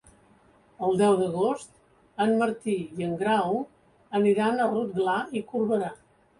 El deu d'agost en Martí i en Grau aniran a Rotglà i Corberà.